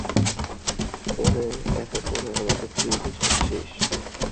ওরে, অত করে আমাকে কী বোঝাচ্ছিস।